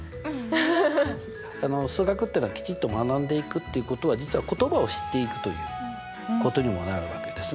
数学っていうのはきちっと学んでいくっていうことは実は言葉を知っていくということにもなるわけですね。